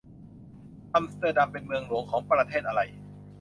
อัมสเตอร์ดัมเป็นเมืองหลวงของประเทศอะไร